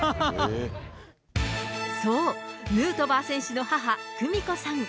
そう、ヌートバー選手の母、久美子さん。